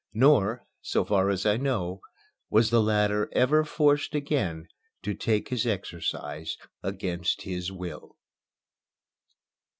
Nor, so far as I know, was the latter ever forced again to take his exercise against his will.